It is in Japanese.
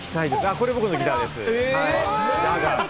これ、僕のギターです！